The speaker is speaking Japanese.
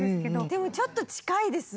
でもちょっと近いです。